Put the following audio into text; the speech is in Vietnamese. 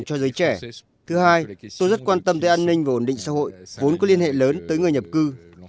cho giới trẻ thứ hai tôi rất quan tâm tới an ninh và ổn định xã hội vốn có liên hệ lớn tới người nhập cư